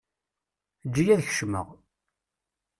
Eǧǧ-iyi ad kecmeɣ.